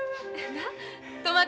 なっ？